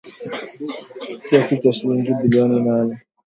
Kiasi cha shilingi bilioni nane